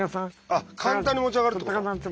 あっ簡単に持ち上がるってこと？